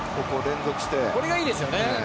これがいいですよね。